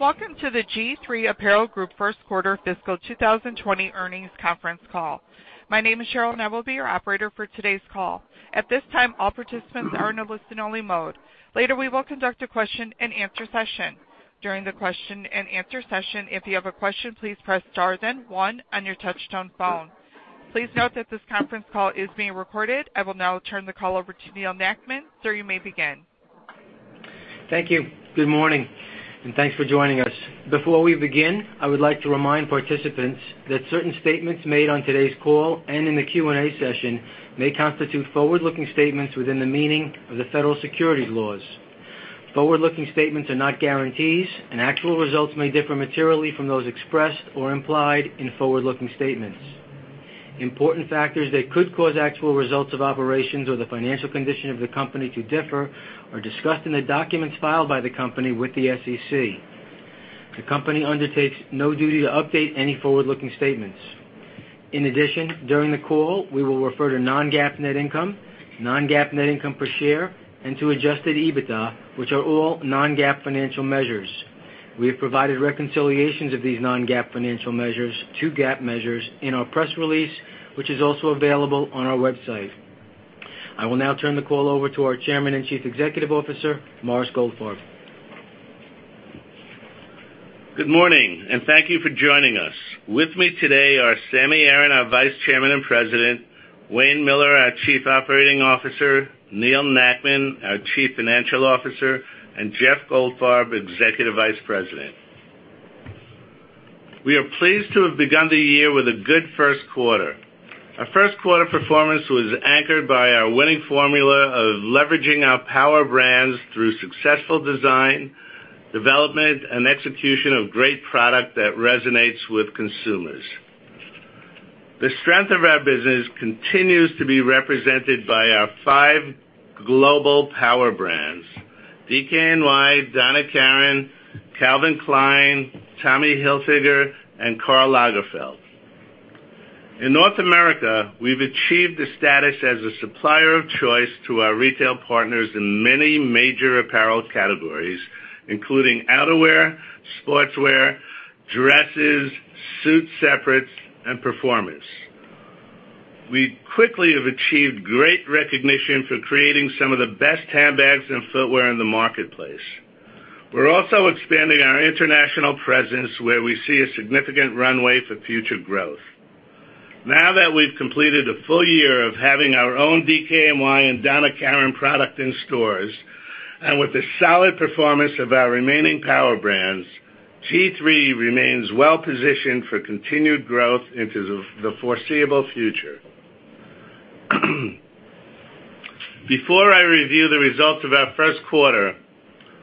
Welcome to the G-III Apparel Group first quarter fiscal 2020 earnings conference call. My name is Cheryl, and I will be your operator for today's call. At this time, all participants are in a listen-only mode. Later, we will conduct a question and answer session. During the question and answer session, if you have a question, please press star then one on your touch-tone phone. Please note that this conference call is being recorded. I will now turn the call over to Neal Nackman. Sir, you may begin. Thank you. Good morning and thanks for joining us. Before we begin, I would like to remind participants that certain statements made on today's call and in the Q&A session may constitute forward-looking statements within the meaning of the federal securities laws. Forward-looking statements are not guarantees, and actual results may differ materially from those expressed or implied in forward-looking statements. Important factors that could cause actual results of operations or the financial condition of the company to differ are discussed in the documents filed by the company with the SEC. The company undertakes no duty to update any forward-looking statements. In addition, during the call, we will refer to non-GAAP net income, non-GAAP net income per share, and to adjusted EBITDA, which are all non-GAAP financial measures. We have provided reconciliations of these non-GAAP financial measures to GAAP measures in our press release, which is also available on our website. I will now turn the call over to our Chairman and Chief Executive Officer, Morris Goldfarb. Good morning and thank you for joining us. With me today are Sammy Aaron, our Vice Chairman and President, Wayne Miller, our Chief Operating Officer, Neal Nackman, our Chief Financial Officer, and Jeff Goldfarb, Executive Vice President. We are pleased to have begun the year with a good first quarter. Our first quarter performance was anchored by our winning formula of leveraging our power brands through successful design, development, and execution of great product that resonates with consumers. The strength of our business continues to be represented by our five global power brands, DKNY, Donna Karan, Calvin Klein, Tommy Hilfiger, and Karl Lagerfeld. In North America, we've achieved the status as a supplier of choice to our retail partners in many major apparel categories, including outerwear, sportswear, dresses, suit separates, and performance. We quickly have achieved great recognition for creating some of the best handbags and footwear in the marketplace. We're also expanding our international presence where we see a significant runway for future growth. Now that we've completed a full year of having our own DKNY and Donna Karan product in stores, and with the solid performance of our remaining power brands, G-III remains well positioned for continued growth into the foreseeable future. Before I review the results of our first quarter,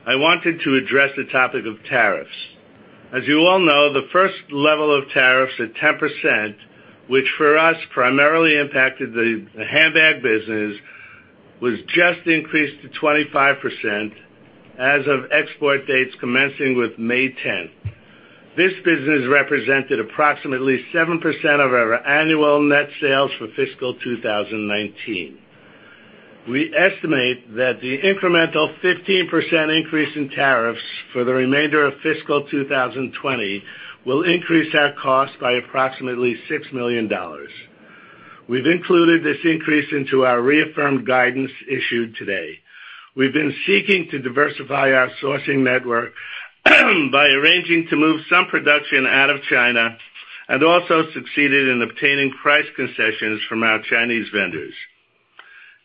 I wanted to address the topic of tariffs. As you all know, the first level of tariffs at 10%, which for us primarily impacted the handbag business, was just increased to 25% as of export dates commencing with May 10th. This business represented approximately 7% of our annual net sales for fiscal 2019. We estimate that the incremental 15% increase in tariffs for the remainder of fiscal 2020 will increase our cost by approximately $6 million. We've included this increase into our reaffirmed guidance issued today. We've been seeking to diversify our sourcing network by arranging to move some production out of China and also succeeded in obtaining price concessions from our Chinese vendors.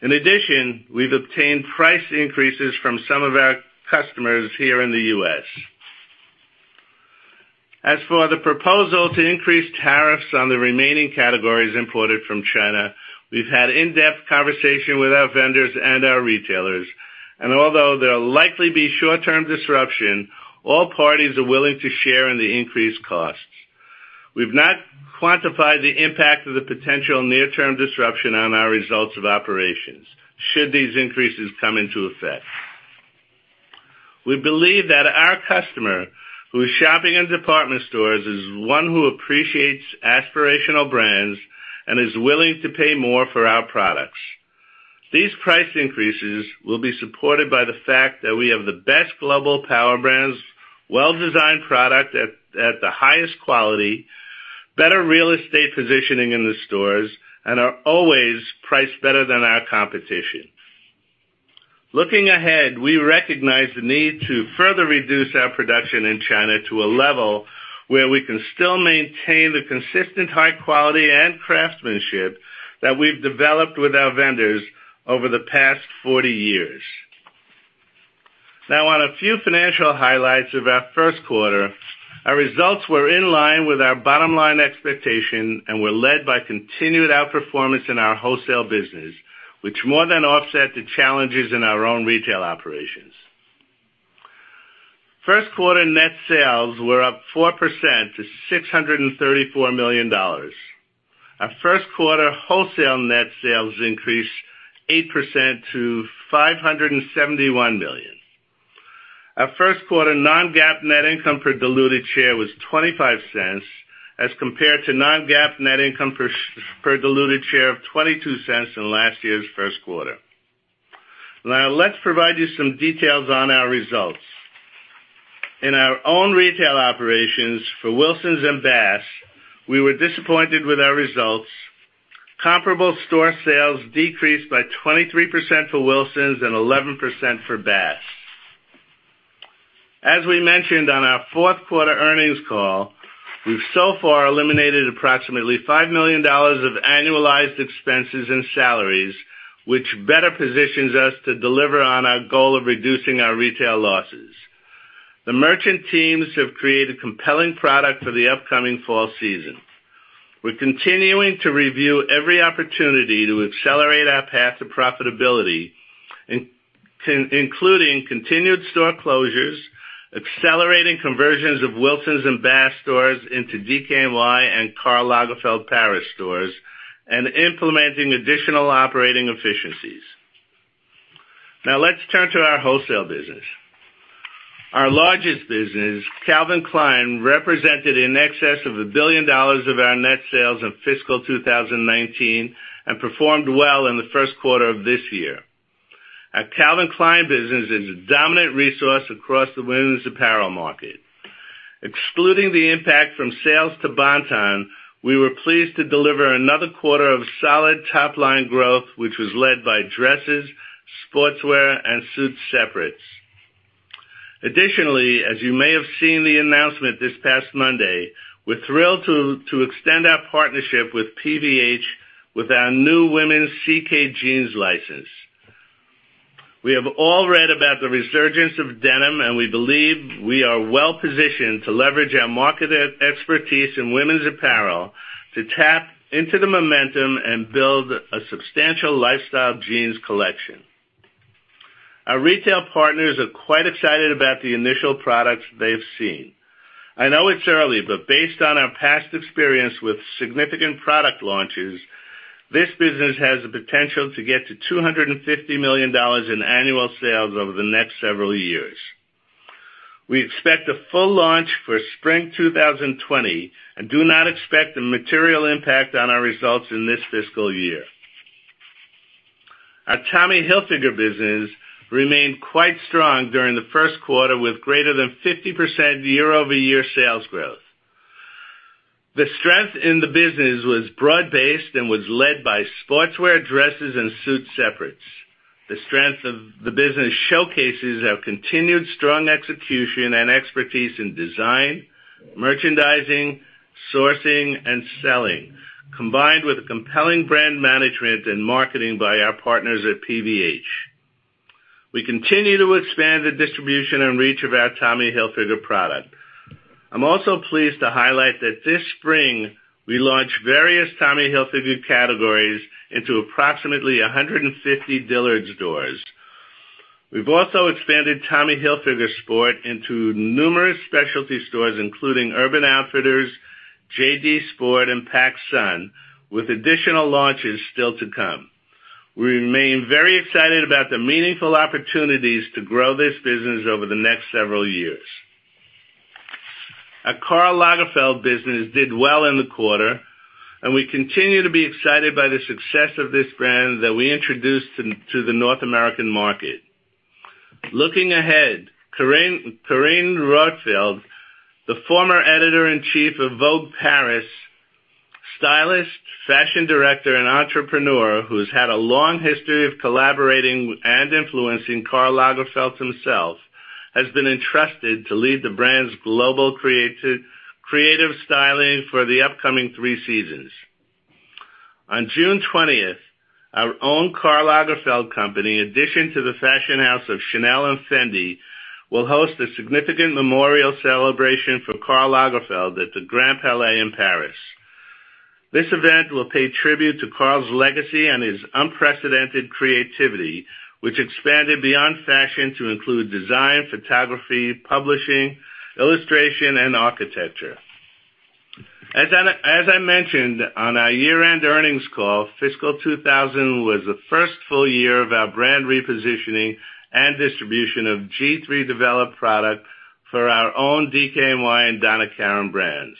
In addition, we've obtained price increases from some of our customers here in the U.S. As for the proposal to increase tariffs on the remaining categories imported from China, we've had in-depth conversation with our vendors and our retailers, although there'll likely be short-term disruption, all parties are willing to share in the increased costs. We've not quantified the impact of the potential near-term disruption on our results of operations should these increases come into effect. We believe that our customer who is shopping in department stores is one who appreciates aspirational brands and is willing to pay more for our products. These price increases will be supported by the fact that we have the best global power brands, well-designed product at the highest quality, better real estate positioning in the stores, and are always priced better than our competition. Looking ahead, we recognize the need to further reduce our production in China to a level where we can still maintain the consistent high quality and craftsmanship that we've developed with our vendors over the past 40 years. Now on a few financial highlights of our first quarter, our results were in line with our bottom-line expectation and were led by continued outperformance in our wholesale business, which more than offset the challenges in our own retail operations. First quarter net sales were up 4% to $634 million. Our first quarter wholesale net sales increased 8% to $571 million. Our first quarter non-GAAP net income per diluted share was $0.25 as compared to non-GAAP net income per diluted share of $0.22 in last year's first quarter. Now let's provide you some details on our results. In our own retail operations for Wilsons and Bass, we were disappointed with our results. Comparable store sales decreased by 23% for Wilsons and 11% for Bass. As we mentioned on our fourth quarter earnings call, we've so far eliminated approximately $5 million of annualized expenses and salaries, which better positions us to deliver on our goal of reducing our retail losses. The merchant teams have created compelling product for the upcoming fall season. We're continuing to review every opportunity to accelerate our path to profitability, including continued store closures, accelerating conversions of Wilsons and Bass stores into DKNY and Karl Lagerfeld Paris stores, and implementing additional operating efficiencies. Now let's turn to our wholesale business. Our largest business, Calvin Klein, represented in excess of $1 billion of our net sales in fiscal 2019 and performed well in the first quarter of this year. Our Calvin Klein business is a dominant resource across the women's apparel market. Excluding the impact from sales to Bon-Ton, we were pleased to deliver another quarter of solid top-line growth, which was led by dresses, sportswear, and suit separates. Additionally, as you may have seen the announcement this past Monday, we're thrilled to extend our partnership with PVH with our new women's CK Jeans license. We have all read about the resurgence of denim, and we believe we are well-positioned to leverage our market expertise in women's apparel to tap into the momentum and build a substantial lifestyle jeans collection. Our retail partners are quite excited about the initial products they've seen. I know it's early, but based on our past experience with significant product launches, this business has the potential to get to $250 million in annual sales over the next several years. We expect a full launch for spring 2020 and do not expect a material impact on our results in this fiscal year. Our Tommy Hilfiger business remained quite strong during the first quarter, with greater than 50% year-over-year sales growth. The strength in the business was broad-based and was led by sportswear, dresses, and suit separates. The strength of the business showcases our continued strong execution and expertise in design, merchandising, sourcing, and selling, combined with compelling brand management and marketing by our partners at PVH. We continue to expand the distribution and reach of our Tommy Hilfiger product. I'm also pleased to highlight that this spring, we launched various Tommy Hilfiger categories into approximately 150 Dillard's stores. We've also expanded Tommy Hilfiger sport into numerous specialty stores including Urban Outfitters, JD Sports, and PacSun, with additional launches still to come. We remain very excited about the meaningful opportunities to grow this business over the next several years. Our Karl Lagerfeld business did well in the quarter, and we continue to be excited by the success of this brand that we introduced to the North American market. Looking ahead, Carine Roitfeld, the former editor-in-chief of Vogue Paris, stylist, fashion director, and entrepreneur who's had a long history of collaborating with and influencing Karl Lagerfeld himself, has been entrusted to lead the brand's global creative styling for the upcoming three seasons. On June 20th, our own Karl Lagerfeld company, in addition to the fashion house of Chanel and Fendi, will host a significant memorial celebration for Karl Lagerfeld at the Grand Palais in Paris. This event will pay tribute to Karl's legacy and his unprecedented creativity, which expanded beyond fashion to include design, photography, publishing, illustration, and architecture. As I mentioned on our year-end earnings call, fiscal 2019 was the first full year of our brand repositioning and distribution of G-III developed product for our own DKNY and Donna Karan brands.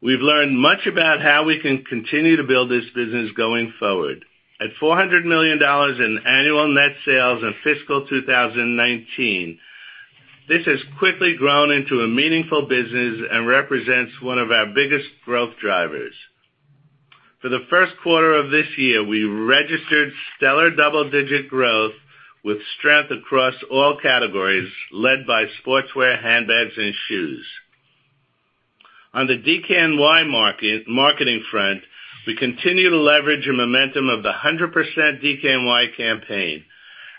We've learned much about how we can continue to build this business going forward. At $400 million in annual net sales in fiscal 2019, this has quickly grown into a meaningful business and represents one of our biggest growth drivers. For the first quarter of this year, we registered stellar double-digit growth with strength across all categories led by sportswear, handbags, and shoes. On the DKNY marketing front, we continue to leverage the momentum of the 100% DKNY campaign.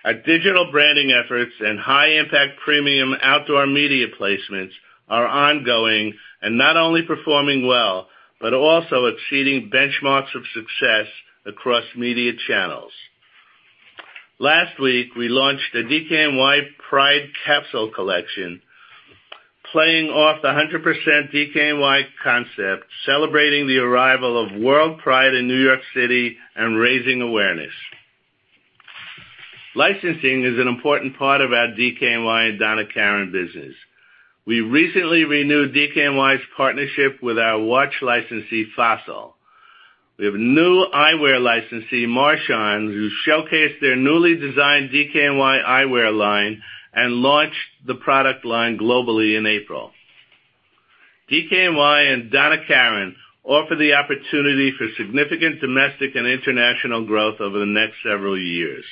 Our digital branding efforts and high-impact premium outdoor media placements are ongoing and not only performing well but also exceeding benchmarks of success across media channels. Last week, we launched the DKNY Pride capsule collection, playing off the 100% DKNY concept, celebrating the arrival of WorldPride in New York City and raising awareness. Licensing is an important part of our DKNY and Donna Karan business. We recently renewed DKNY's partnership with our watch licensee, Fossil. We have new eyewear licensee, Marchon, who showcased their newly designed DKNY eyewear line and launched the product line globally in April. DKNY and Donna Karan offer the opportunity for significant domestic and international growth over the next several years.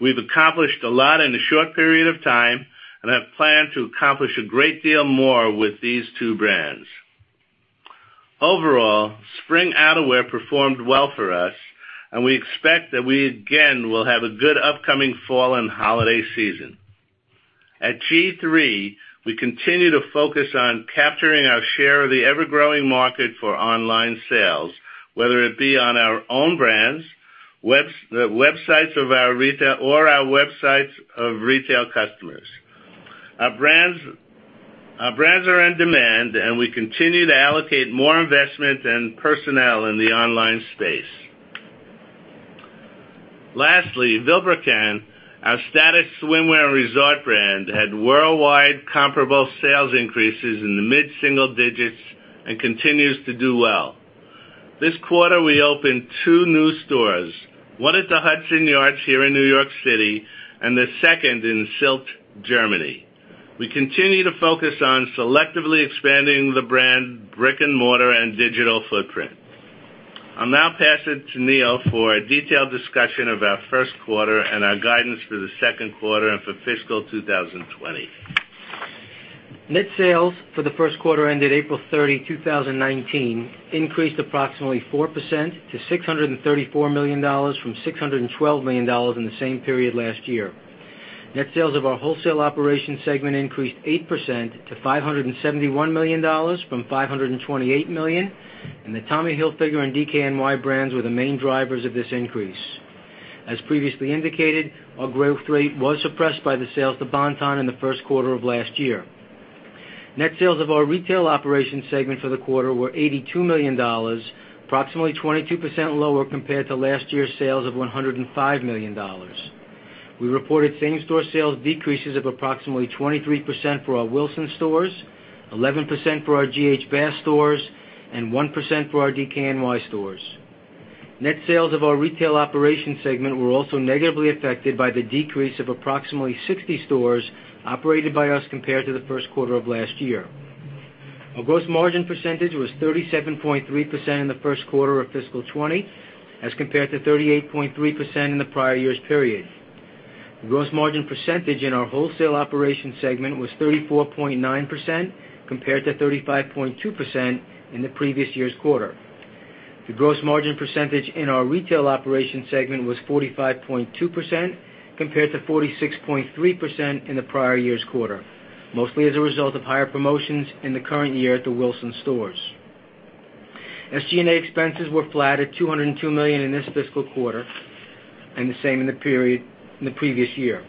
We've accomplished a lot in a short period of time and have planned to accomplish a great deal more with these two brands. Overall, spring outerwear performed well for us. We expect that we again will have a good upcoming fall and holiday season. At G-III, we continue to focus on capturing our share of the ever-growing market for online sales, whether it be on our own brands, the websites of our retail or our websites of retail customers. Our brands are in demand, and we continue to allocate more investment and personnel in the online space. Lastly, Vilebrequin, our luxury swimwear and resort brand, had worldwide comparable sales increases in the mid-single digits and continues to do well. This quarter, we opened two new stores, one at the Hudson Yards here in New York City, and the second in Sylt, Germany. We continue to focus on selectively expanding the brand brick-and-mortar and digital footprint. I'll now pass it to Neal for a detailed discussion of our first quarter and our guidance for the second quarter and for fiscal 2020. Net sales for the first quarter ended April 30, 2019, increased approximately 4% to $634 million from $612 million in the same period last year. Net sales of our wholesale operation segment increased 8% to $571 million from $528 million. The Tommy Hilfiger and DKNY brands were the main drivers of this increase. As previously indicated, our growth rate was suppressed by the sales to Bon-Ton in the first quarter of last year. Net sales of our retail operation segment for the quarter were $82 million, approximately 22% lower compared to last year's sales of $105 million. We reported same-store sales decreases of approximately 23% for our Wilsons Leather stores, 11% for our G.H. Bass stores, and 1% for our DKNY stores. Net sales of our retail operation segment were also negatively affected by the decrease of approximately 60 stores operated by us compared to the first quarter of last year. Our gross margin percentage was 37.3% in the first quarter of fiscal 2020, as compared to 38.3% in the prior year's period. The gross margin percentage in our wholesale operation segment was 34.9%, compared to 35.2% in the previous year's quarter. The gross margin percentage in our retail operation segment was 45.2%, compared to 46.3% in the prior year's quarter, mostly as a result of higher promotions in the current year at the Wilsons Leather stores. SGA expenses were flat at $202 million in this fiscal quarter and the same in the period in the previous year.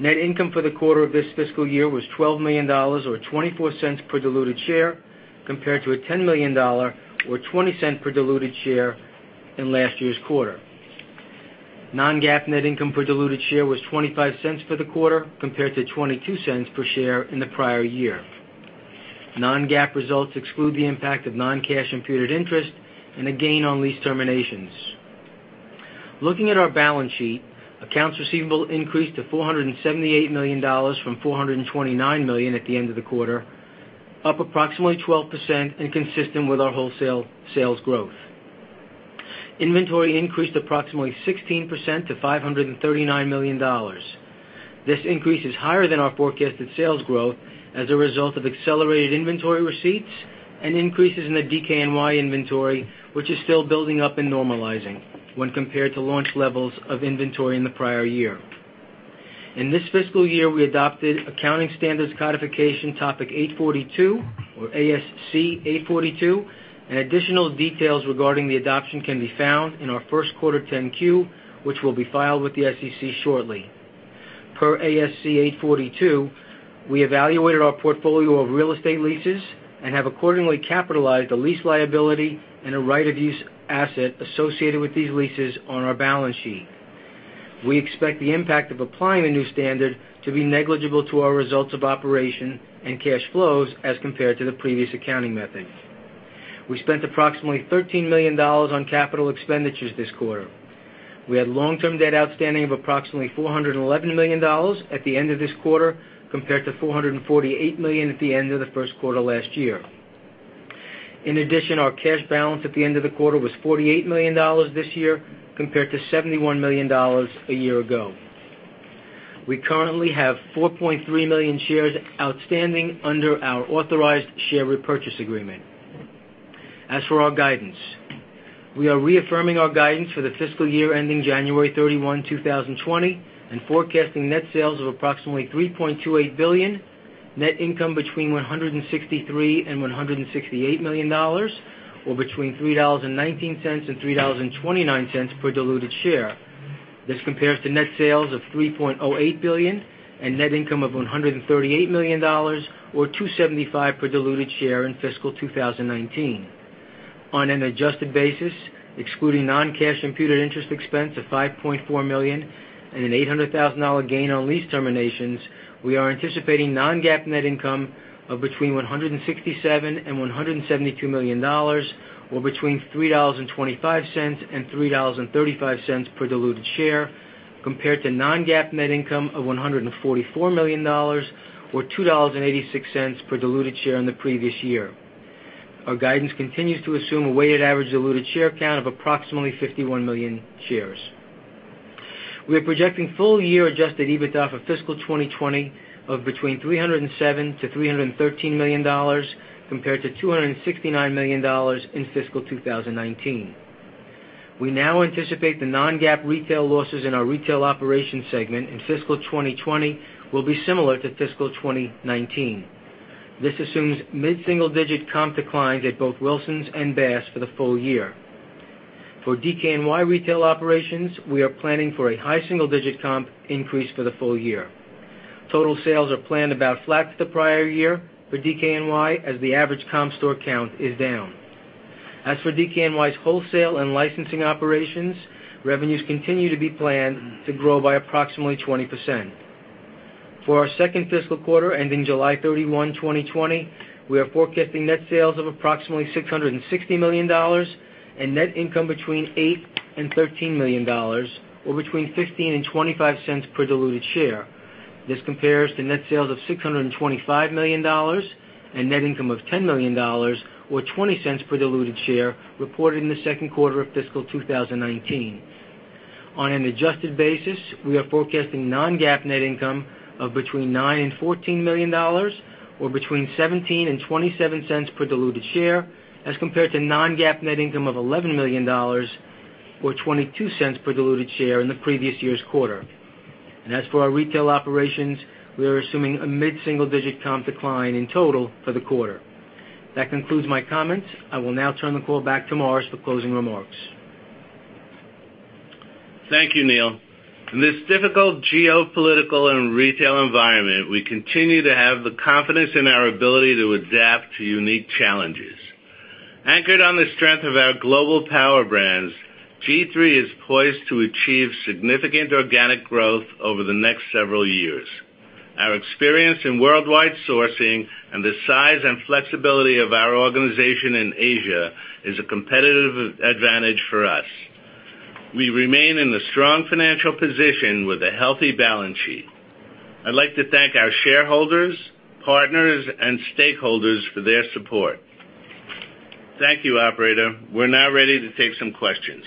Net income for the quarter of this fiscal year was $12 million or $0.24 per diluted share, compared to a $10 million or $0.20 per diluted share in last year's quarter. Non-GAAP net income per diluted share was $0.25 for the quarter, compared to $0.22 per share in the prior year. Non-GAAP results exclude the impact of non-cash imputed interest and a gain on lease terminations. Looking at our balance sheet, accounts receivable increased to $478 million from $429 million at the end of the quarter, up approximately 12% and consistent with our wholesale sales growth. Inventory increased approximately 16% to $539 million. This increase is higher than our forecasted sales growth as a result of accelerated inventory receipts and increases in the DKNY inventory, which is still building up and normalizing when compared to launch levels of inventory in the prior year. In this fiscal year, we adopted Accounting Standards Codification Topic 842, or ASC 842, and additional details regarding the adoption can be found in our first quarter 10-Q, which will be filed with the SEC shortly. Per ASC 842, we evaluated our portfolio of real estate leases and have accordingly capitalized a lease liability and a right of use asset associated with these leases on our balance sheet. We expect the impact of applying the new standard to be negligible to our results of operation and cash flows as compared to the previous accounting method. We spent approximately $13 million on capital expenditures this quarter. We had long-term debt outstanding of approximately $411 million at the end of this quarter, compared to $448 million at the end of the first quarter last year. In addition, our cash balance at the end of the quarter was $48 million this year, compared to $71 million a year ago. We currently have 4.3 million shares outstanding under our authorized share repurchase agreement. As for our guidance, we are reaffirming our guidance for the fiscal year ending January 31, 2020, and forecasting net sales of approximately $3.28 billion, net income between $163 million and $168 million, or between $3.19 and $3.29 per diluted share. This compares to net sales of $3.08 billion and net income of $138 million or $2.75 per diluted share in fiscal 2019. On an adjusted basis, excluding non-cash imputed interest expense of $5.4 million and an $800,000 gain on lease terminations, we are anticipating non-GAAP net income of between $167 million and $172 million, or between $3.25 and $3.35 per diluted share, compared to non-GAAP net income of $144 million or $2.86 per diluted share in the previous year. Our guidance continues to assume a weighted average diluted share count of approximately 51 million shares. We are projecting full-year adjusted EBITDA for fiscal 2020 of between $307 million-$313 million, compared to $269 million in fiscal 2019. We now anticipate the non-GAAP retail losses in our retail operation segment in fiscal 2020 will be similar to fiscal 2019. This assumes mid-single-digit comp declines at both Wilsons and Bass for the full year. For DKNY retail operations, we are planning for a high single-digit comp increase for the full year. Total sales are planned about flat for the prior year for DKNY, as the average comp store count is down. As for DKNY's wholesale and licensing operations, revenues continue to be planned to grow by approximately 20%. For our second fiscal quarter ending July 31, 2020, we are forecasting net sales of approximately $660 million and net income between $8 million and $13 million, or between $0.15 and $0.25 per diluted share. This compares to net sales of $625 million and net income of $10 million, or $0.20 per diluted share, reported in the second quarter of fiscal 2019. On an adjusted basis, we are forecasting non-GAAP net income of between $9 million and $14 million, or between $0.17 and $0.27 per diluted share, as compared to non-GAAP net income of $11 million or $0.22 per diluted share in the previous year's quarter. As for our retail operations, we are assuming a mid-single-digit comp decline in total for the quarter. That concludes my comments. I will now turn the call back to Morris for closing remarks. Thank you, Neal. In this difficult geopolitical and retail environment, we continue to have the confidence in our ability to adapt to unique challenges. Anchored on the strength of our global power brands, G-III is poised to achieve significant organic growth over the next several years. Our experience in worldwide sourcing and the size and flexibility of our organization in Asia is a competitive advantage for us. We remain in a strong financial position with a healthy balance sheet. I'd like to thank our shareholders, partners, and stakeholders for their support. Thank you, operator. We're now ready to take some questions.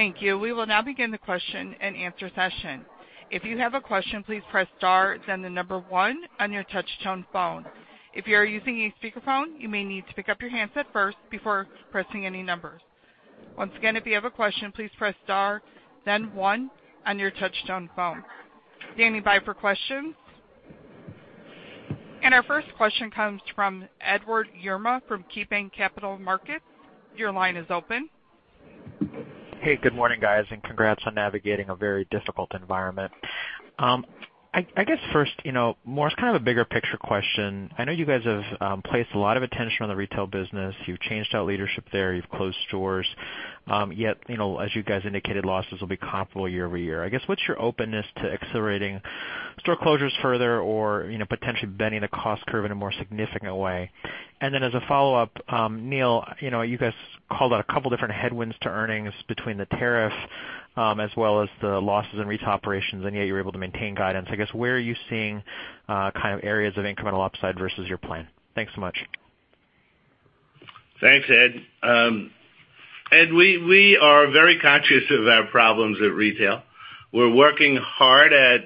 Thank you. We will now begin the question-and-answer session. If you have a question, please press star, then the number one on your touch-tone phone. If you are using a speakerphone, you may need to pick up your handset first before pressing any numbers. Once again, if you have a question, please press star then one on your touch-tone phone. Standing by for questions. Our first question comes from Edward Yruma from KeyBanc Capital Markets. Your line is open. Good morning, guys, and congrats on navigating a very difficult environment. I guess first, Morris, kind of a bigger picture question. I know you guys have placed a lot of attention on the retail business. You've changed out leadership there. You've closed stores. Yet, as you guys indicated, losses will be comparable year-over-year. I guess, what's your openness to accelerating store closures further or potentially bending the cost curve in a more significant way? As a follow-up, Neal, you guys called out a couple different headwinds to earnings between the tariff as well as the losses in retail operations, and yet you were able to maintain guidance. I guess, where are you seeing areas of incremental upside versus your plan? Thanks so much. Thanks, Ed. Ed, we are very conscious of our problems at retail. We're working hard at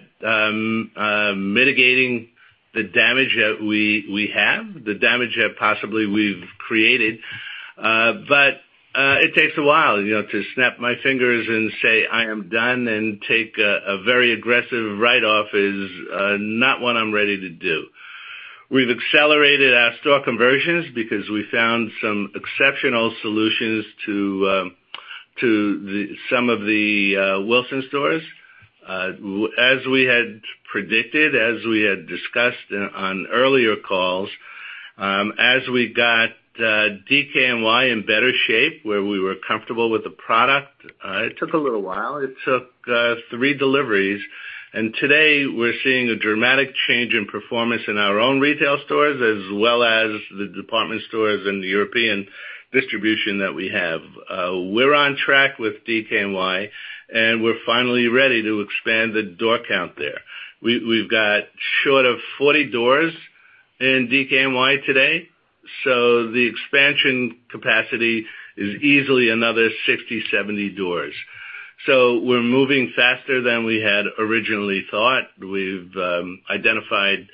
mitigating the damage that we have, the damage that possibly we've created. It takes a while. To snap my fingers and say I am done and take a very aggressive write-off is not what I'm ready to do. We've accelerated our store conversions because we found some exceptional solutions to some of the Wilsons stores. As we had predicted, as we had discussed on earlier calls, as we got DKNY in better shape where we were comfortable with the product, it took a little while. It took three deliveries. Today we're seeing a dramatic change in performance in our own retail stores as well as the department stores and the European distribution that we have. We're on track with DKNY, and we're finally ready to expand the door count there. We've got short of 40 doors in DKNY today, so the expansion capacity is easily another 60, 70 doors. We're moving faster than we had originally thought. We've identified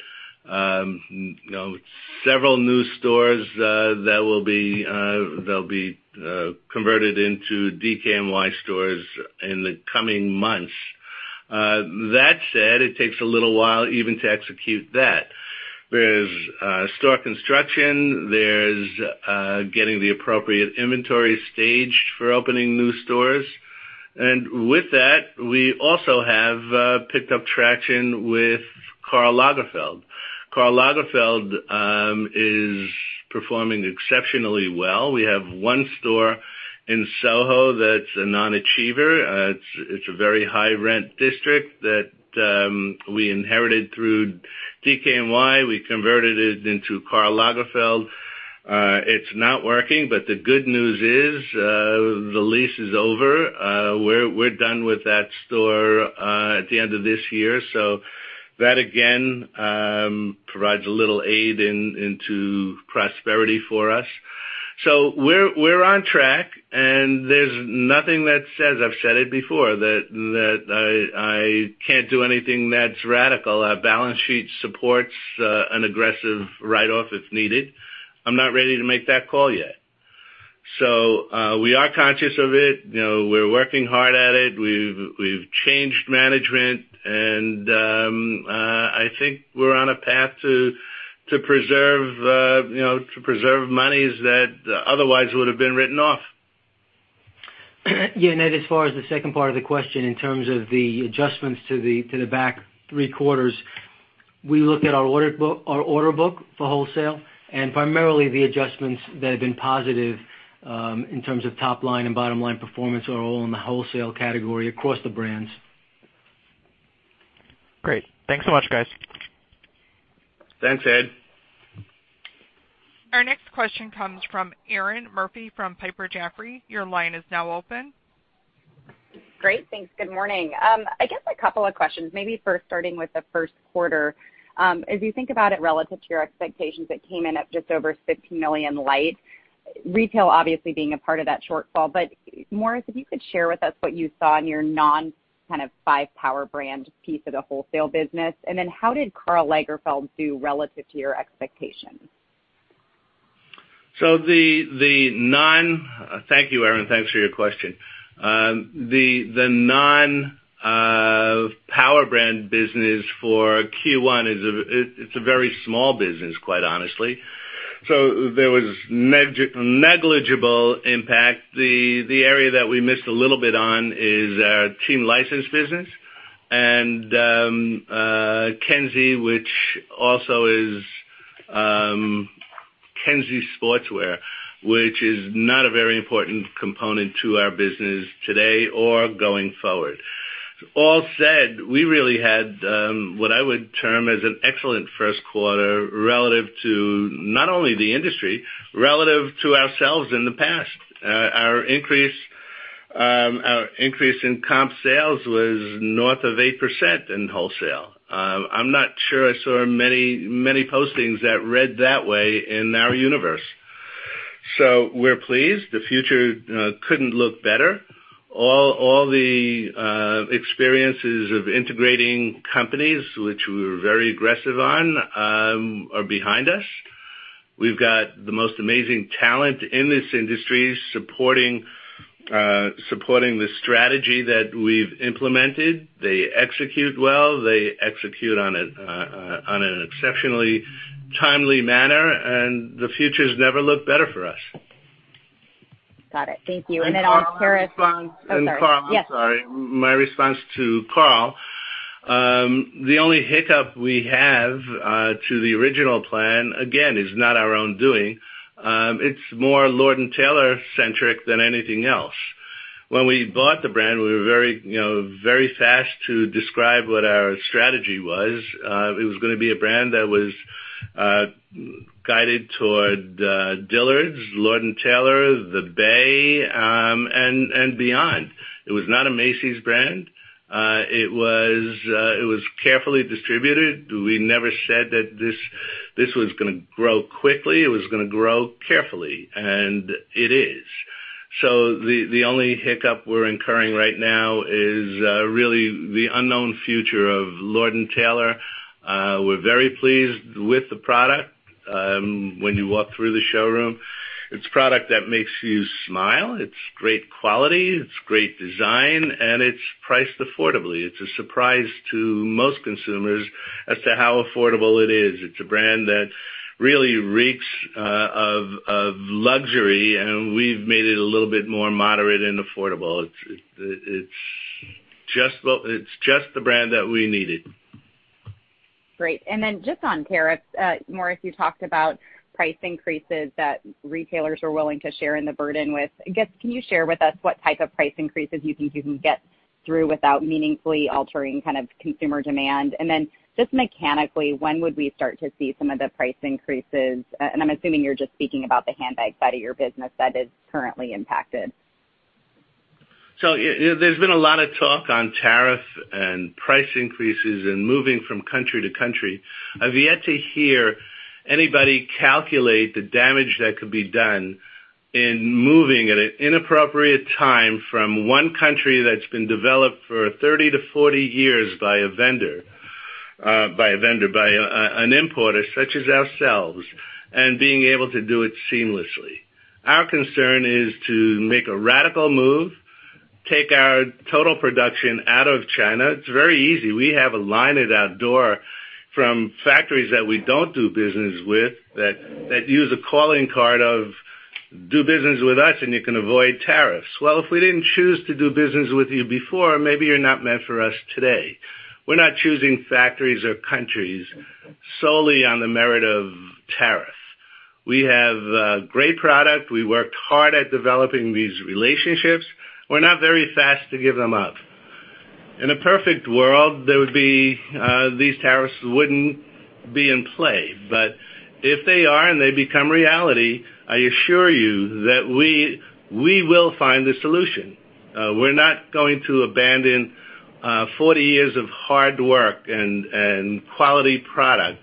several new stores that will be converted into DKNY stores in the coming months. That said, it takes a little while even to execute that. There's store construction. There's getting the appropriate inventory staged for opening new stores. With that, we also have picked up traction with Karl Lagerfeld. Karl Lagerfeld is performing exceptionally well. We have one store in Soho that's a non-achiever. It's a very high rent district that we inherited through DKNY. We converted it into Karl Lagerfeld. It's not working, the good news is the lease is over. We're done with that store at the end of this year. That again provides a little aid into prosperity for us. We're on track, there's nothing that says, I've said it before, that I can't do anything that's radical. Our balance sheet supports an aggressive write-off if needed. I'm not ready to make that call yet. We are conscious of it. We're working hard at it. I think we're on a path to preserve monies that otherwise would have been written off. Yeah, Ed, as far as the second part of the question in terms of the adjustments to the back three quarters, we look at our order book for wholesale primarily the adjustments that have been positive in terms of top-line and bottom-line performance are all in the wholesale category across the brands. Great. Thanks so much, guys. Thanks, Ed. Our next question comes from Erinn Murphy from Piper Jaffray. Your line is now open. Great. Thanks. Good morning. I guess a couple of questions, maybe first starting with the first quarter. As you think about it relative to your expectations, it came in at just over $16 million light. Retail obviously being a part of that shortfall, Morris, if you could share with us what you saw in your non five power brand piece of the wholesale business, and then how did Karl Lagerfeld do relative to your expectations? Thank you, Erinn. Thanks for your question. The non-power brand business for Q1 is a very small business, quite honestly. There was negligible impact. The area that we missed a little bit on is our team license business and Kensie sportswear, which is not a very important component to our business today or going forward. All said, we really had what I would term as an excellent first quarter relative to not only the industry, relative to ourselves in the past. Our increase in comp sales was north of 8% in wholesale. I'm not sure I saw many postings that read that way in our universe. We're pleased. The future couldn't look better. All the experiences of integrating companies, which we were very aggressive on, are behind us. We've got the most amazing talent in this industry supporting the strategy that we've implemented. They execute well, they execute on an exceptionally timely manner, the future's never looked better for us. Got it. Thank you. Then on tariffs- Karl- Sorry. Yes. I'm sorry. My response to Karl. The only hiccup we have to the original plan, again, is not our own doing. It's more Lord & Taylor centric than anything else. When we bought the brand, we were very fast to describe what our strategy was. It was going to be a brand that was guided toward Dillard's, Lord & Taylor, The Bay, and beyond. It was not a Macy's brand. It was carefully distributed. We never said that this was going to grow quickly. It was going to grow carefully, and it is. The only hiccup we're incurring right now is really the unknown future of Lord & Taylor. We're very pleased with the product. When you walk through the showroom, it's product that makes you smile. It's great quality, it's great design, and it's priced affordably. It's a surprise to most consumers as to how affordable it is. It's a brand that really reeks of luxury, and we've made it a little bit more moderate and affordable. It's just the brand that we needed. Great. On tariffs, Morris, you talked about price increases that retailers are willing to share in the burden with. I guess, can you share with us what type of price increases you think you can get through without meaningfully altering consumer demand? Mechanically, when would we start to see some of the price increases? I'm assuming you're just speaking about the handbag side of your business that is currently impacted. There's been a lot of talk on tariff and price increases and moving from country to country. I've yet to hear anybody calculate the damage that could be done in moving at an inappropriate time from one country that's been developed for 30-40 years by a vendor, by an importer such as ourselves, and being able to do it seamlessly. Our concern is to make a radical move, take our total production out of China. It's very easy. We have a line at our door from factories that we don't do business with that use a calling card of, "Do business with us, and you can avoid tariffs." Well, if we didn't choose to do business with you before, maybe you're not meant for us today. We're not choosing factories or countries solely on the merit of tariff. We have a great product. We worked hard at developing these relationships. We're not very fast to give them up. In a perfect world, these tariffs wouldn't be in play. If they are and they become reality, I assure you that we will find a solution. We're not going to abandon 40 years of hard work and quality product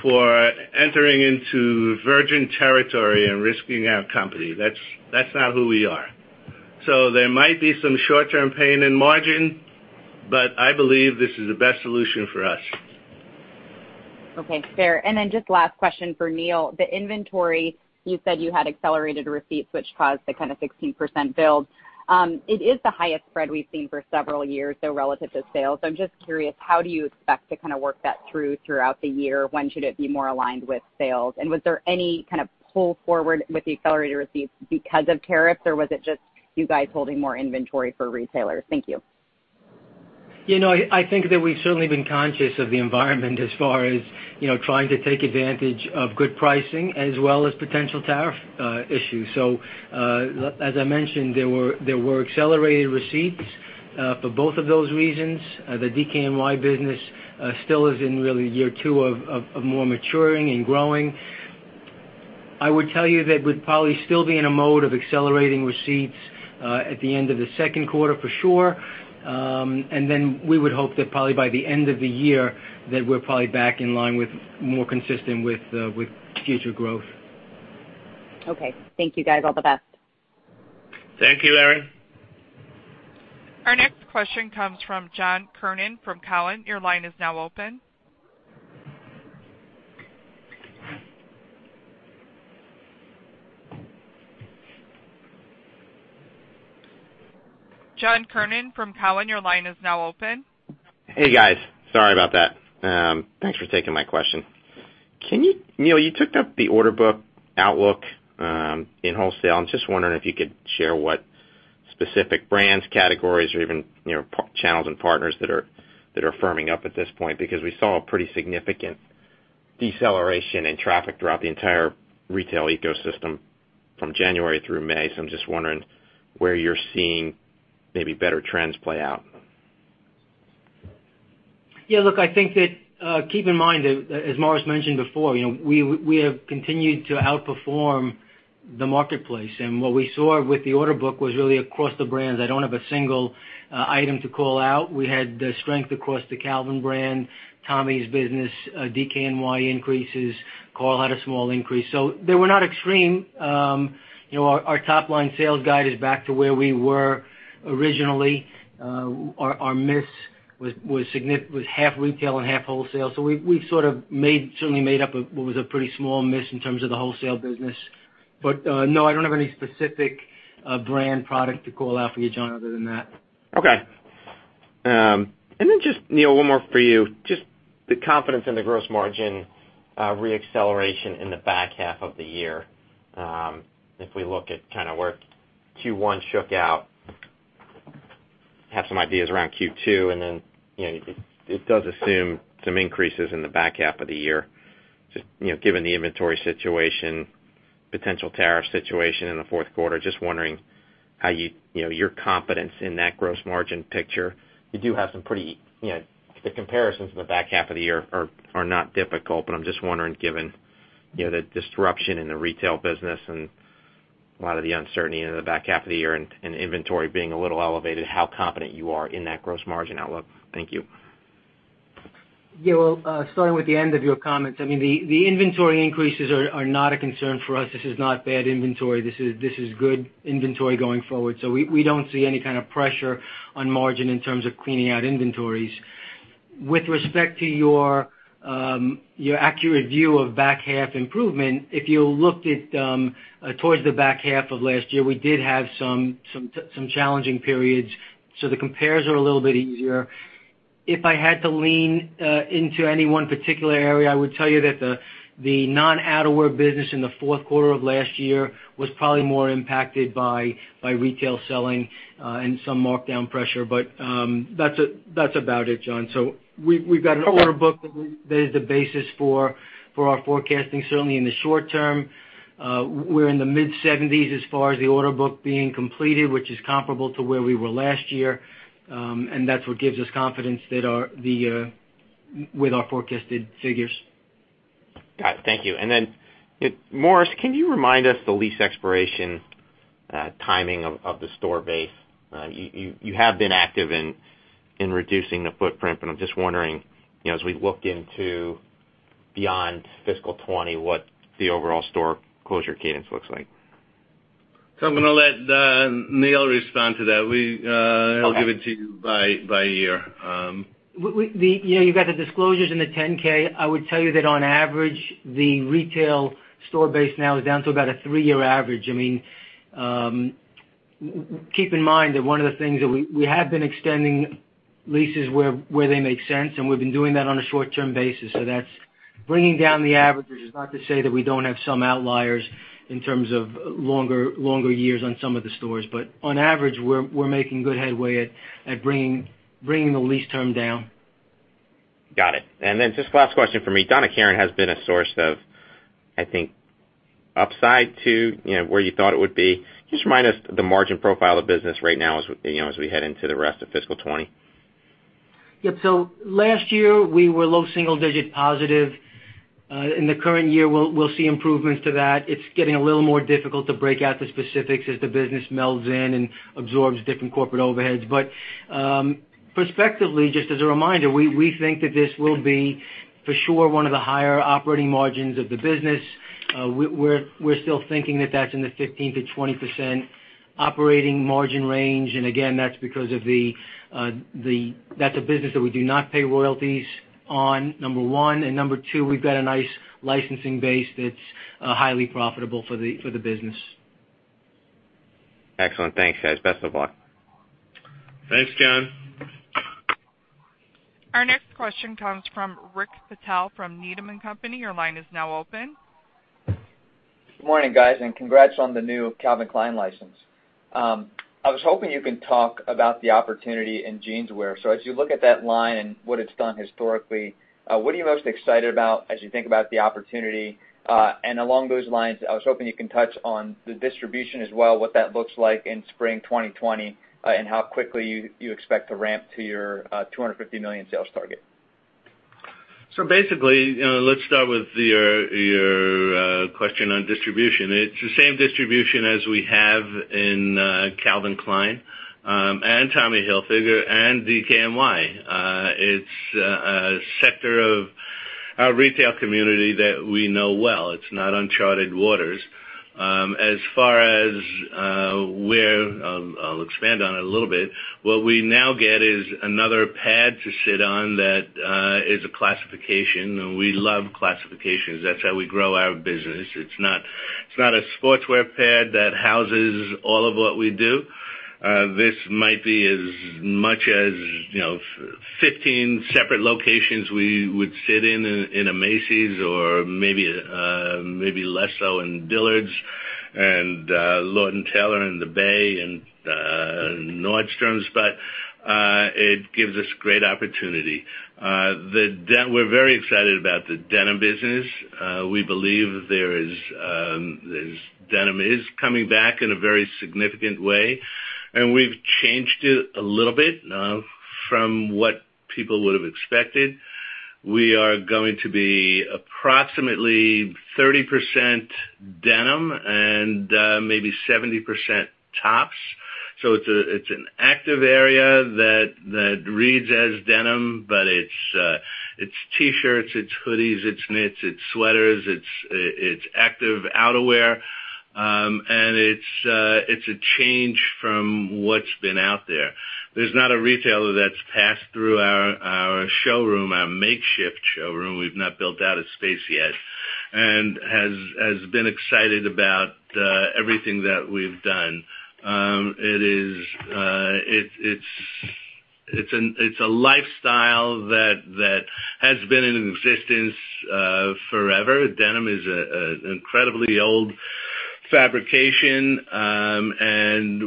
for entering into virgin territory and risking our company. That's not who we are. There might be some short-term pain in margin, but I believe this is the best solution for us. Okay, fair. Just last question for Neal. The inventory, you said you had accelerated receipts which caused the kind of 16% build. It is the highest spread we've seen for several years, though, relative to sales. I'm just curious, how do you expect to work that through, throughout the year? When should it be more aligned with sales? Was there any pull forward with the accelerated receipts because of tariffs, or was it just you guys holding more inventory for retailers? Thank you. I think that we've certainly been conscious of the environment as far as trying to take advantage of good pricing as well as potential tariff issues. As I mentioned, there were accelerated receipts, for both of those reasons. The DKNY business still is in really year two of more maturing and growing. I would tell you that we'd probably still be in a mode of accelerating receipts at the end of the second quarter, for sure. We would hope that probably by the end of the year, that we're probably back in line with more consistent with future growth. Okay. Thank you, guys. All the best. Thank you, Erinn. Our next question comes from John Kernan from Cowen. Your line is now open. John Kernan from Cowen, your line is now open. Hey, guys. Sorry about that. Thanks for taking my question. Neal, you took up the order book outlook, in wholesale. I'm just wondering if you could share what specific brands, categories, or even channels and partners that are firming up at this point. We saw a pretty significant deceleration in traffic throughout the entire retail ecosystem from January through May. I'm just wondering where you're seeing maybe better trends play out. Yeah, look, I think that, keep in mind that as Morris mentioned before, we have continued to outperform the marketplace. What we saw with the order book was really across the brands. I don't have a single item to call out. We had the strength across the Calvin brand, Tommy's business, DKNY increases. Karl had a small increase. They were not extreme. Our top-line sales guide is back to where we were originally. Our miss was half retail and half wholesale. We've certainly made up what was a pretty small miss in terms of the wholesale business. No, I don't have any specific brand product to call out for you, John, other than that. Okay. Just, Neal, one more for you. Just the confidence in the gross margin re-acceleration in the back half of the year. If we look at where Q1 shook out, have some ideas around Q2, and then it does assume some increases in the back half of the year. Just given the inventory situation, potential tariff situation in the fourth quarter, just wondering your confidence in that gross margin picture. The comparisons in the back half of the year are not difficult, but I'm just wondering, given the disruption in the retail business and a lot of the uncertainty in the back half of the year and inventory being a little elevated, how confident you are in that gross margin outlook. Thank you. Well, starting with the end of your comments. The inventory increases are not a concern for us. This is not bad inventory. This is good inventory going forward. We don't see any kind of pressure on margin in terms of cleaning out inventories. With respect to your accurate view of back half improvement, if you looked at towards the back half of last year, we did have some challenging periods. The compares are a little bit easier. If I had to lean into any one particular area, I would tell you that the non-outerwear business in the fourth quarter of last year was probably more impacted by retail selling, and some markdown pressure. That's about it, John. We've got an order book that is the basis for our forecasting, certainly in the short term. We're in the mid-70s as far as the order book being completed, which is comparable to where we were last year. That's what gives us confidence with our forecasted figures. Got it. Thank you. Then Morris, can you remind us the lease expiration timing of the store base? You have been active in reducing the footprint, but I'm just wondering, as we look into beyond fiscal 2020, what the overall store closure cadence looks like. I'm gonna let Neal respond to that. Okay. He'll give it to you by year. You've got the disclosures in the 10-K. I would tell you that on average, the retail store base now is down to about a three-year average. Keep in mind that one of the things that we have been extending leases where they make sense, and we've been doing that on a short-term basis. That's bringing down the averages. It's not to say that we don't have some outliers in terms of longer years on some of the stores. On average, we're making good headway at bringing the lease term down. Got it. Just last question for me. Donna Karan has been a source of, I think, upside to where you thought it would be. Just remind us the margin profile of business right now as we head into the rest of fiscal 2020. Yep. Last year, we were low single digit positive. In the current year, we'll see improvements to that. It's getting a little more difficult to break out the specifics as the business melds in and absorbs different corporate overheads. Perspectively, just as a reminder, we think that this will be, for sure, one of the higher operating margins of the business. We're still thinking that that's in the 15%-20% operating margin range. Again, that's because that's a business that we do not pay royalties on, number 1. And number 2, we've got a nice licensing base that's highly profitable for the business. Excellent. Thanks, guys. Best of luck. Thanks, John. Our next question comes from Rick Patel from Needham & Company. Your line is now open. Good morning, guys, and congrats on the new Calvin Klein license. I was hoping you can talk about the opportunity in jeans wear. As you look at that line and what it's done historically, what are you most excited about as you think about the opportunity? Along those lines, I was hoping you can touch on the distribution as well, what that looks like in Spring 2020, and how quickly you expect to ramp to your $250 million sales target. Basically, let's start with your question on distribution. It's the same distribution as we have in Calvin Klein and Tommy Hilfiger and DKNY. It's a sector of our retail community that we know well. It's not uncharted waters. As far as where, I'll expand on it a little bit. What we now get is another pad to sit on that is a classification, and we love classifications. That's how we grow our business. It's not a sportswear pad that houses all of what we do. This might be as much as 15 separate locations we would sit in a Macy's or maybe less so in Dillard's and Lord & Taylor and The Bay and Nordstrom. It gives us great opportunity. We're very excited about the denim business. We believe denim is coming back in a very significant way. We've changed it a little bit from what people would've expected. We are going to be approximately 30% denim and maybe 70% tops. It's an active area that reads as denim. It's T-shirts, it's hoodies, it's knits, it's sweaters, it's active outwear. It's a change from what's been out there. There's not a retailer that's passed through our showroom, our makeshift showroom, we've not built out a space yet, and has been excited about everything that we've done. It's a lifestyle that has been in existence forever. Denim is an incredibly old fabrication.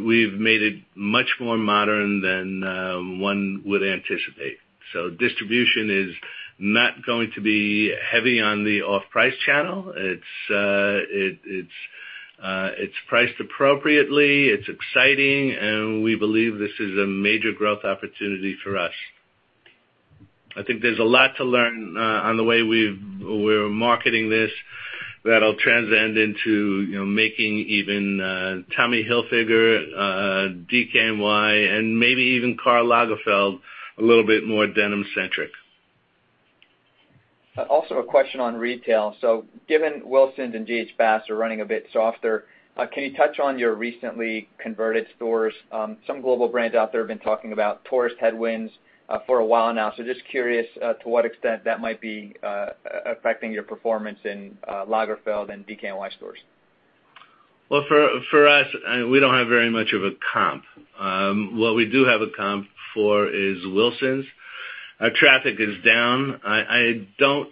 We've made it much more modern than one would anticipate. Distribution is not going to be heavy on the off-price channel. It's priced appropriately. It's exciting. We believe this is a major growth opportunity for us. I think there's a lot to learn on the way we're marketing this, that'll transcend into making even Tommy Hilfiger, DKNY, and maybe even Karl Lagerfeld a little bit more denim centric. Also a question on retail. Given Wilsons and G.H. Bass are running a bit softer, can you touch on your recently converted stores? Some global brands out there have been talking about tourist headwinds for a while now. Just curious to what extent that might be affecting your performance in Lagerfeld and DKNY stores. Well, for us, we don't have very much of a comp. What we do have a comp for is Wilsons. Our traffic is down. I don't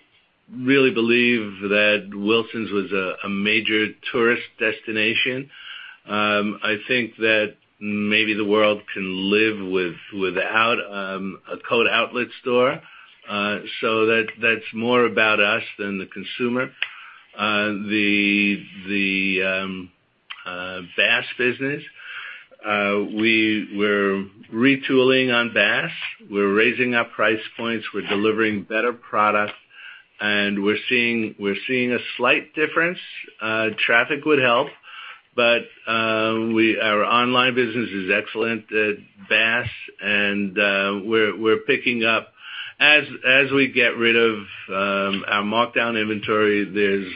really believe that Wilsons was a major tourist destination. I think that maybe the world can live without a coat outlet store. That's more about us than the consumer. The Bass business, we're retooling on Bass. We're raising our price points. We're delivering better product, and we're seeing a slight difference. Traffic would help, but our online business is excellent at Bass and we're picking up. As we get rid of our markdown inventory, there's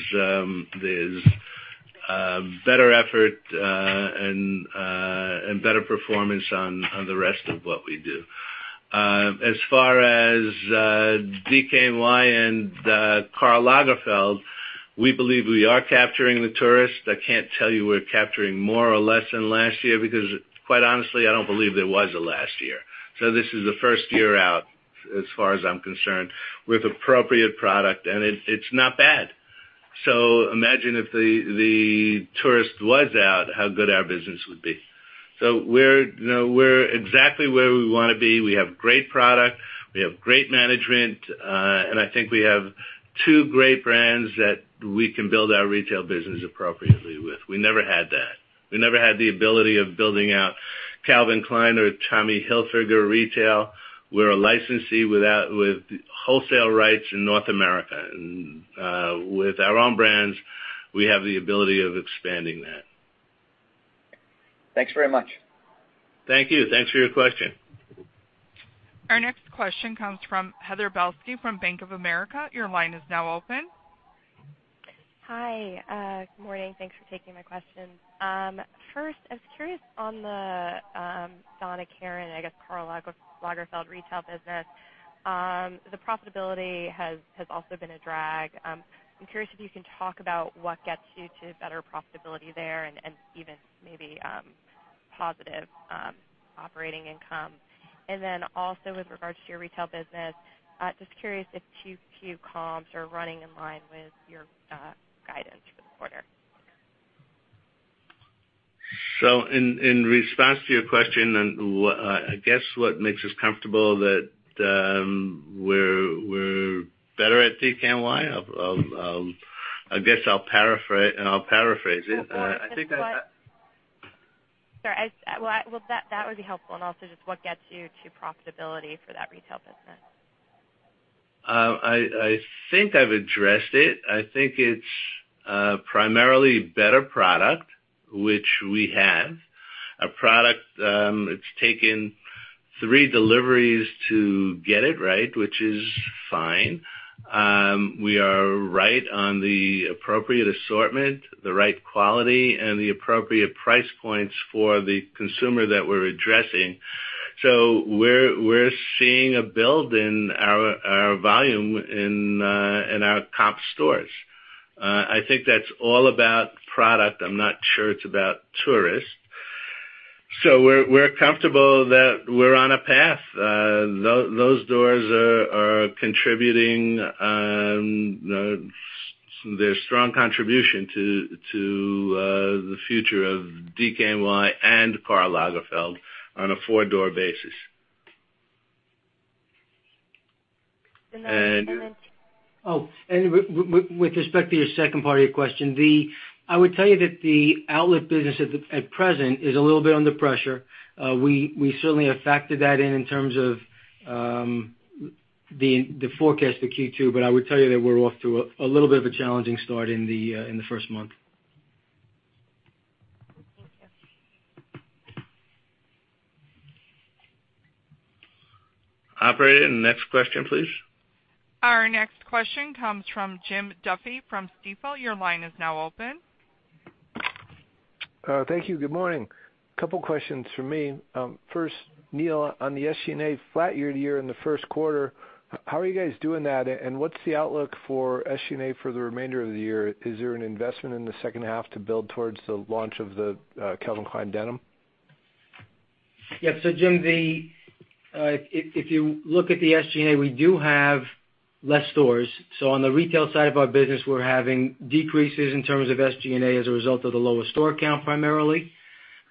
better effort and better performance on the rest of what we do. As far as DKNY and Karl Lagerfeld, we believe we are capturing the tourists. I can't tell you whether we're capturing more or less than last year, because quite honestly, I don't believe there was a last year. This is the first year out, as far as I'm concerned, with appropriate product, and it's not bad. Imagine if the tourist was out, how good our business would be. We're exactly where we want to be. We have great product. We have great management. I think we have two great brands that we can build our retail business appropriately with. We never had that. We never had the ability of building out Calvin Klein or Tommy Hilfiger retail. We're a licensee with wholesale rights in North America. With our own brands, we have the ability of expanding that. Thanks very much. Thank you. Thanks for your question. Our next question comes from Heather Balsky from Bank of America. Your line is now open. Hi, good morning. Thanks for taking my question. First, I was curious on the Donna Karan, I guess Karl Lagerfeld retail business. The profitability has also been a drag. I am curious if you can talk about what gets you to better profitability there and even maybe positive operating income. Then also with regards to your retail business, just curious if Q2 comps are running in line with your guidance for the quarter. In response to your question, I guess what makes us comfortable that we are better at DKNY, I guess I will paraphrase it. Sorry. Well, that would be helpful also just what gets you to profitability for that retail business. I think I've addressed it. I think it's primarily better product, which we have. A product, it's taken three deliveries to get it right, which is fine. We are right on the appropriate assortment, the right quality, and the appropriate price points for the consumer that we're addressing. We're seeing a build in our volume in our comp stores. I think that's all about product. I'm not sure it's about tourists. We're comfortable that we're on a path. Those doors are contributing. They're a strong contribution to the future of DKNY and Karl Lagerfeld on a four-door basis. And then- With respect to your second part of your question, I would tell you that the outlet business at present is a little bit under pressure. We certainly have factored that in terms of the forecast for Q2, I would tell you that we're off to a little bit of a challenging start in the first month. Thank you. Operator, next question, please. Our next question comes from Jim Duffy from Stifel. Your line is now open. Thank you. Good morning. A couple questions from me. First, Neal, on the SG&A flat year-over-year in the first quarter, how are you guys doing that? What's the outlook for SG&A for the remainder of the year? Is there an investment in the second half to build towards the launch of the Calvin Klein denim? Yeah. Jim, if you look at the SG&A, we do have less stores. On the retail side of our business, we're having decreases in terms of SG&A as a result of the lower store count, primarily.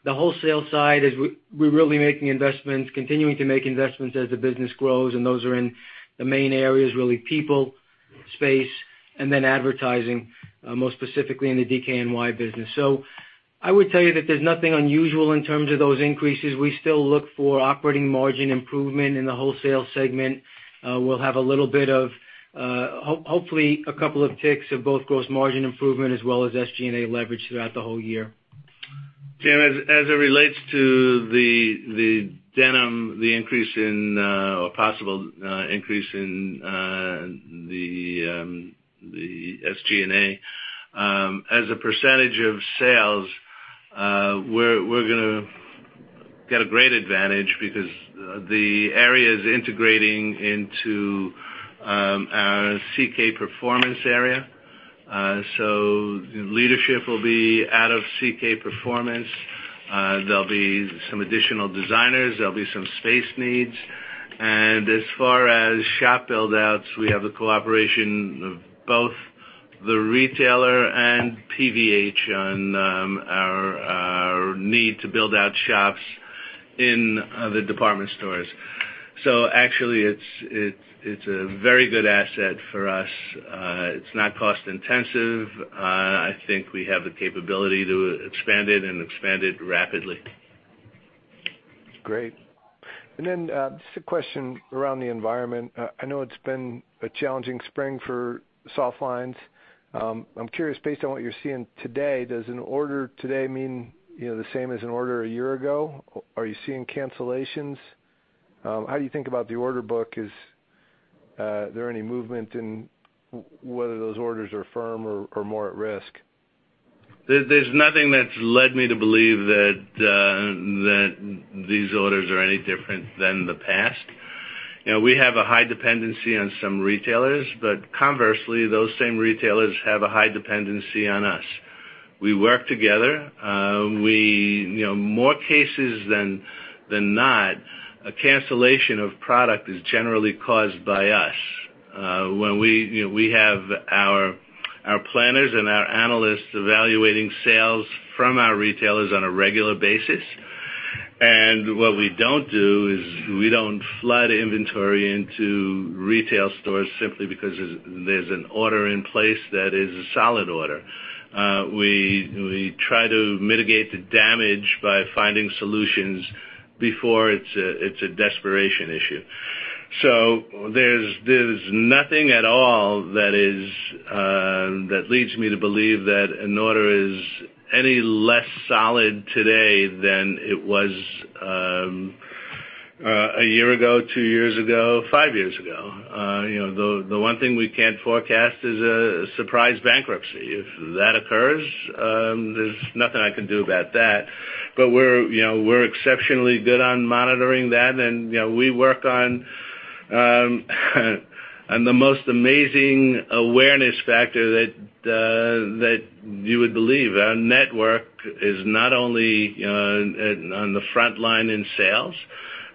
The wholesale side is we're really making investments, continuing to make investments as the business grows, and those are in the main areas, really people, space, and then advertising, most specifically in the DKNY business. I would tell you that there's nothing unusual in terms of those increases. We still look for operating margin improvement in the wholesale segment. We'll have hopefully a couple of ticks of both gross margin improvement as well as SG&A leverage throughout the whole year. Jim, as it relates to the denim, the increase in or possible increase in the SG&A, as a percentage of sales, we're gonna get a great advantage because the area is integrating into our Calvin Klein Performance area. The leadership will be out of Calvin Klein Performance. There'll be some additional designers, there'll be some space needs. As far as shop build-outs, we have the cooperation of both the retailer and PVH on our need to build out shops in the department stores. Actually, it's a very good asset for us. It's not cost intensive. I think we have the capability to expand it and expand it rapidly. Great. Then just a question around the environment. I know it's been a challenging spring for soft lines. I'm curious, based on what you're seeing today, does an order today mean the same as an order a year ago? Are you seeing cancellations? How do you think about the order book? Is there any movement in whether those orders are firm or more at risk? There's nothing that's led me to believe that these orders are any different than the past. We have a high dependency on some retailers, but conversely, those same retailers have a high dependency on us. We work together. More cases than not, a cancellation of product is generally caused by us. We have our planners and our analysts evaluating sales from our retailers on a regular basis. What we don't do is we don't flood inventory into retail stores simply because there's an order in place that is a solid order. We try to mitigate the damage by finding solutions before it's a desperation issue. There's nothing at all that leads me to believe that an order is any less solid today than it was a year ago, two years ago, five years ago. The one thing we can't forecast is a surprise bankruptcy. If that occurs, there's nothing I can do about that. We're exceptionally good on monitoring that, and we work on the most amazing awareness factor that you would believe. Our network is not only on the front line in sales,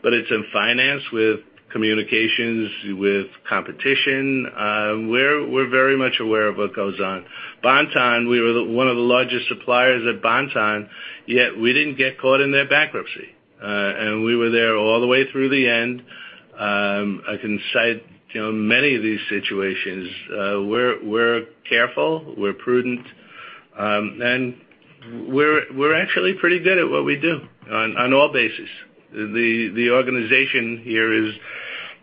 but it's in finance with communications, with competition. We're very much aware of what goes on. Bon-Ton, we were one of the largest suppliers at Bon-Ton, yet we didn't get caught in their bankruptcy. We were there all the way through the end. I can cite many of these situations. We're careful, we're prudent, and we're actually pretty good at what we do on all bases. The organization here is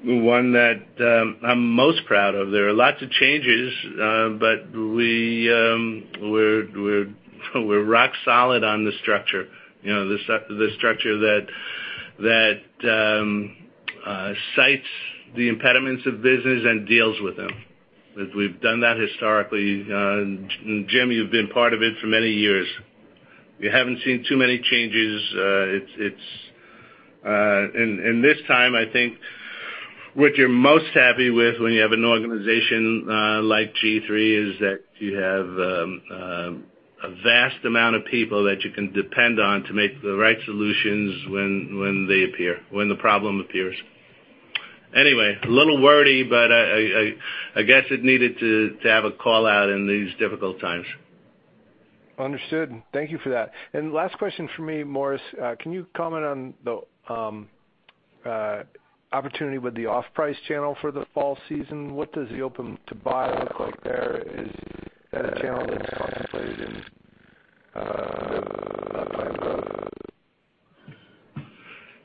one that I'm most proud of. There are lots of changes, but we're rock solid on the structure. The structure that cites the impediments of business and deals with them. We've done that historically. Jim, you've been part of it for many years. You haven't seen too many changes. In this time, I think what you're most happy with when you have an organization like G-III, is that you have a vast amount of people that you can depend on to make the right solutions when the problem appears. Anyway, a little wordy, but I guess it needed to have a call-out in these difficult times. Understood. Thank you for that. Last question from me, Morris. Can you comment on the opportunity with the off-price channel for the fall season? What does the open to buy look like there as a channel that's contemplated in that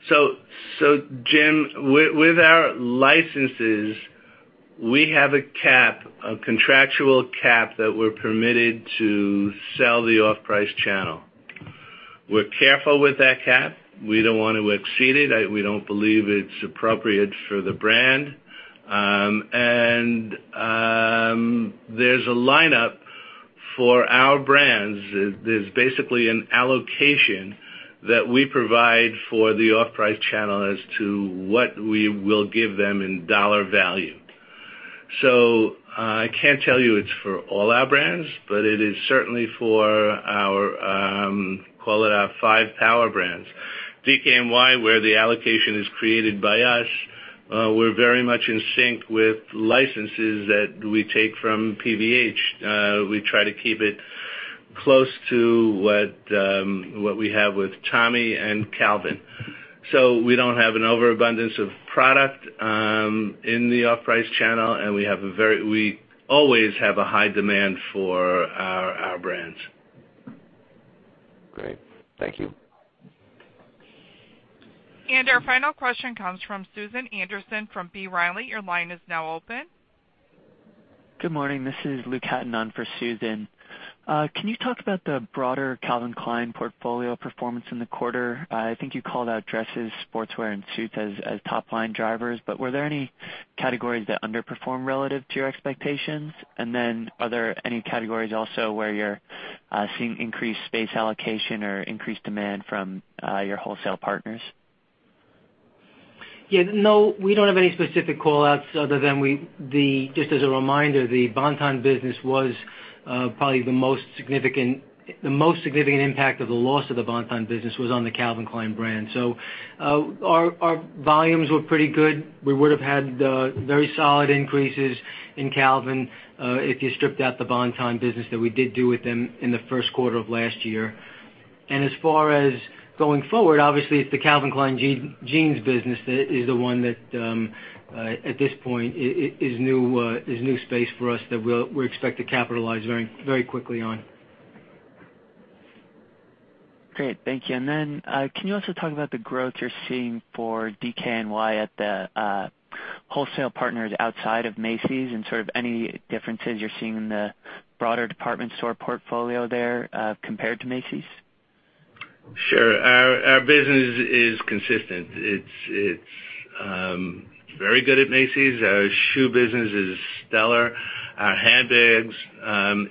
time frame? Jim, with our licenses, we have a contractual cap that we're permitted to sell the off-price channel. We're careful with that cap. We don't want to exceed it. We don't believe it's appropriate for the brand. There's a lineup for our brands. There's basically an allocation that we provide for the off-price channel as to what we will give them in dollar value. I can't tell you it's for all our brands, but it is certainly for our, call it our five power brands. DKNY, where the allocation is created by us, we're very much in sync with licenses that we take from PVH. We try to keep it close to what we have with Tommy and Calvin. We don't have an overabundance of product in the off-price channel, and we always have a high demand for our brands. Great. Thank you. Our final question comes from Susan Anderson from B. Riley. Your line is now open. Good morning. This is Luke Hatton on for Susan. Can you talk about the broader Calvin Klein portfolio performance in the quarter? I think you called out dresses, sportswear, and suits as top-line drivers, but were there any categories that underperformed relative to your expectations? Then are there any categories also where you're seeing increased space allocation or increased demand from your wholesale partners? Yeah, no. We don't have any specific call-outs other than, just as a reminder, the most significant impact of the loss of the Bon-Ton business was on the Calvin Klein brand. Our volumes were pretty good. We would've had very solid increases in Calvin if you stripped out the Bon-Ton business that we did do with them in the first quarter of last year. As far as going forward, obviously, it's the Calvin Klein Jeans business that is the one that at this point is new space for us that we expect to capitalize very quickly on. Great, thank you. Then can you also talk about the growth you're seeing for DKNY at the wholesale partners outside of Macy's, and sort of any differences you're seeing in the broader department store portfolio there compared to Macy's? Sure. Our business is consistent. It's very good at Macy's. Our shoe business is stellar. Our handbags,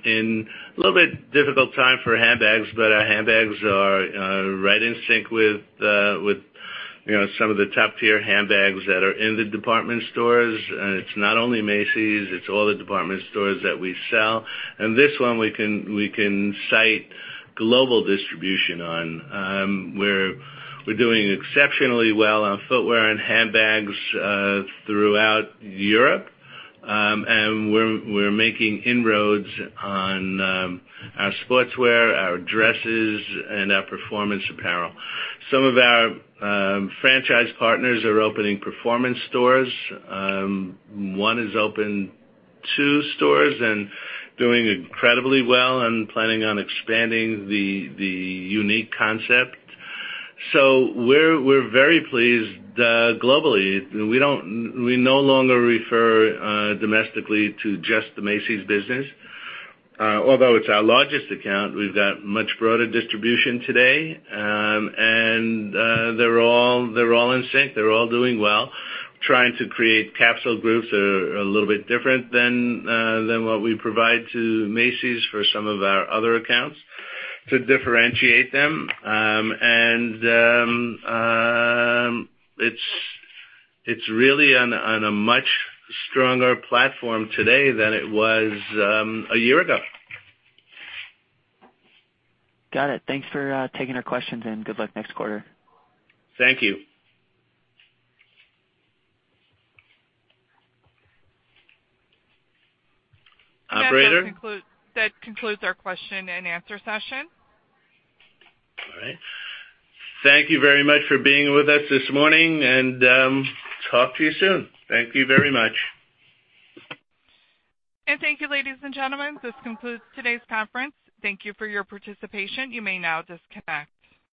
in a little bit difficult time for handbags, but our handbags are right in sync with some of the top-tier handbags that are in the department stores. It's not only Macy's, it's all the department stores that we sell. This one we can cite global distribution on. We're doing exceptionally well on footwear and handbags throughout Europe. We're making inroads on our sportswear, our dresses, and our performance apparel. Some of our franchise partners are opening performance stores. One has opened two stores and doing incredibly well and planning on expanding the unique concept. We're very pleased globally. We no longer refer domestically to just the Macy's business. Although it's our largest account, we've got much broader distribution today. They're all in sync. They're all doing well. Trying to create capsule groups that are a little bit different than what we provide to Macy's for some of our other accounts to differentiate them. It's really on a much stronger platform today than it was a year ago. Got it. Thanks for taking our questions, and good luck next quarter. Thank you. Operator? That concludes our question and answer session. All right. Thank you very much for being with us this morning, and talk to you soon. Thank you very much. Thank you, ladies and gentlemen. This concludes today's conference. Thank you for your participation. You may now disconnect.